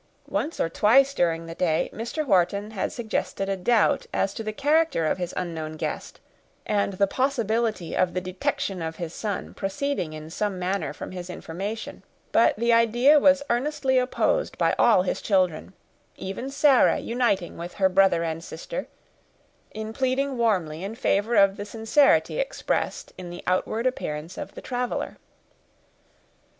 Once or twice during the day, Mr. Wharton had suggested a doubt as to the character of his unknown guest, and the possibility of the detection of his son proceeding in some manner from his information; but the idea was earnestly opposed by all his children; even Sarah uniting with her brother and sister in pleading warmly in favor of the sincerity expressed in the outward appearance of the traveler.